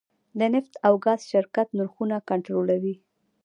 د نفت او ګاز شرکت نرخونه کنټرولوي؟